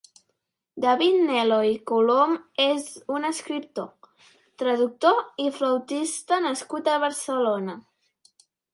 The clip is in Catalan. David Nel·lo i Colom és un escriptor, traductor i flautista nascut a Barcelona.